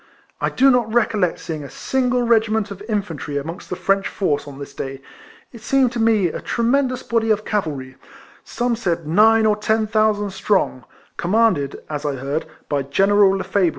I do not recollect seeing a single regiment of in fantry amongst the French force on this day; it seemed to me a tremendous body of cavalry — some said nine or ten thousand strong — commanded, as I heard, by General Lefebvre.